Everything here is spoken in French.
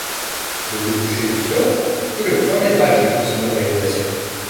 Le débouché du fjord est le point névralgique de son organisation.